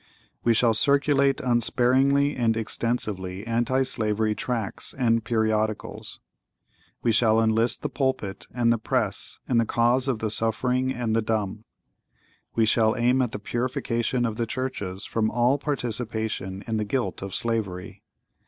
(¶ 37) We shall circulate, unsparingly and extensively, anti slavery tracts and periodicals. (¶ 38) We shall enlist the pulpit and the press in the cause of the suffering and the dumb. (¶ 39) We shall aim at a purification of the churches from all participation in the guilt of slavery.